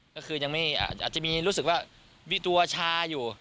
ก็คืออาจจะมีรู้สึกว่าตัวชาอยู่